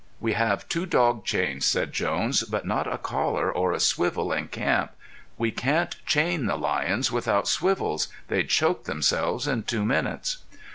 "We have two dog chains," said Jones, "but not a collar or a swivel in camp. We can't chain the lions without swivels. They'd choke themselves in two minutes."